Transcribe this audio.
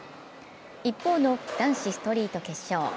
一方、男子ストリート決勝。